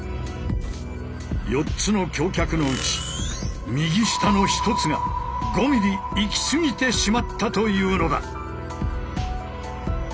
４つの橋脚のうち右下の１つが５ｍｍ行き過ぎてしまったというのだ！